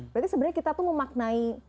berarti sebenarnya kita tuh memaknai